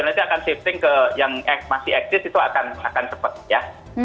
nanti akan shifting ke yang masih eksis itu akan cepat ya